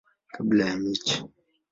kabla ya mechi.